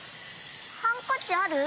ハンカチある？